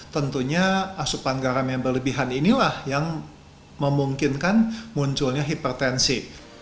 tentunya asupan garam yang berlebihan inilah yang memungkinkan munculnya hipertensi